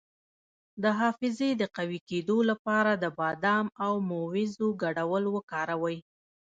د حافظې د قوي کیدو لپاره د بادام او مویزو ګډول وکاروئ